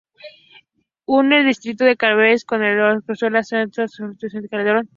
Une el distrito de Carabanchel con el de Arganzuela cerca del estadio Vicente Calderón.